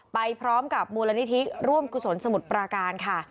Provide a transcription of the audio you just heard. ไปพร้อมกับมูลนิธิร่วมกุศลสมุทรปราการค่ะ